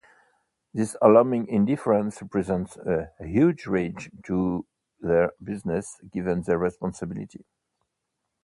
This alarming indifference represents a huge risk to their business, given their responsibility.